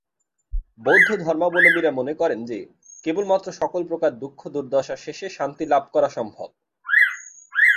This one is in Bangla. বৌদ্ধ ধর্মাবলম্বীরা মনে করেন যে, কেবলমাত্র সকল প্রকার দুঃখ-দূর্দশা শেষে শান্তি লাভ করা সম্ভব।